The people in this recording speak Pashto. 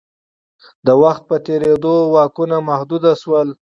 د وخت په تېرېدو واکونه محدود شول.